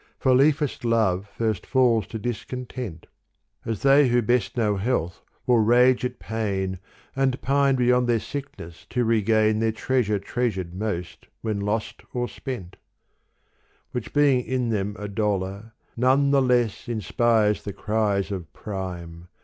For liefest love first falls to discontent : As they who best know health will rage at pain And pine beyond their sickness to regain Their treasure treasured most when lost or spent : Which being in them a dolour, none the less Inspires the cries of prime.